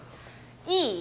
いい？